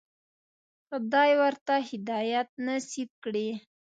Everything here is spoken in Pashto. خدای ورته هدایت نصیب کړی.